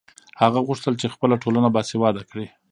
هغه غوښتل چې خپله ټولنه باسواده کړي.